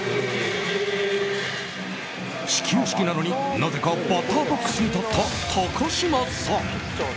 始球式なのに、なぜかバッターボックスに立った高嶋さん。